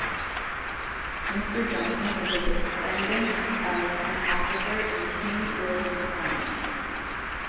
Mr Johnston was a descendent of an officer in King William's army.